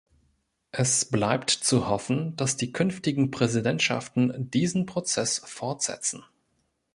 Es bleibt zu hoffen, dass die künftigen Präsidentschaften diesen Prozess fortsetzen.